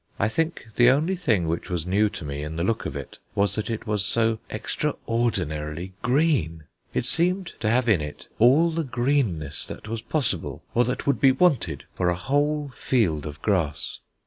I think the only thing which was new to me in the look of it was that it was so extraordinarily green. It seemed to have in it all the greenness that was possible or that would be wanted for a whole field of grass.